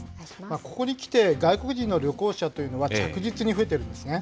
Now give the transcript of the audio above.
ここにきて、外国人の旅行者というのは、着実に増えているんですね。